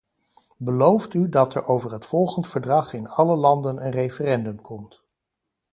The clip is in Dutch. Belooft u dat er over het volgend verdrag in alle landen een referendum komt.